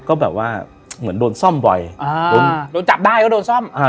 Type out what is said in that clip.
ก็แบบว่าเหมือนโดนซ่อมบ่อยอ่าโดนโดนจับได้ก็โดนซ่อมอ่า